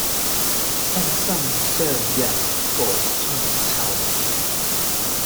心心相印過春秋